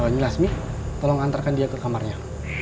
nyilasmi tolong antarkan dia ke kamarnya